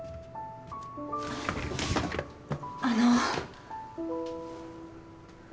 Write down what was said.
あの